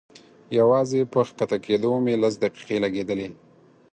يوازې په کښته کېدو مې لس دقيقې لګېدلې.